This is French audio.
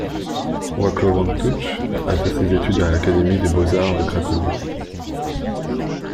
Wacław Wantuch a fait ses études à l'Académie des beaux-arts de Cracovie.